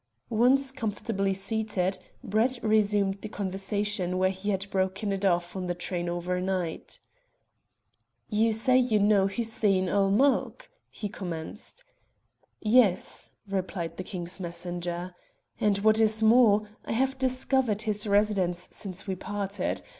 Once comfortably seated, Brett resumed the conversation where he had broken it off in the train overnight. "You say you know Hussein ul Mulk," he commenced. "Yes," replied the King's messenger, "and what is more, I have discovered his residence since we parted.